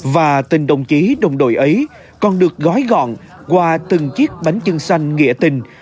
và tình đồng chí đồng đội ấy còn được gói gọn qua từng chiếc bánh trưng xanh nghĩa tình